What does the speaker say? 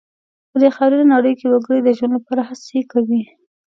په دې خاورینه نړۍ کې وګړي د ژوند لپاره هڅې کوي.